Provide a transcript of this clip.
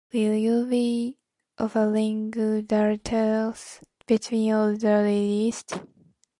Will you be offering deltas between all the releases?